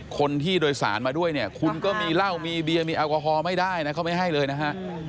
คนที่โดยสารมาด้วยเนี่ยคุณก็มีเหล้ามีเบียร์มีแอลกอฮอลไม่ได้นะเขาไม่ให้เลยนะฮะ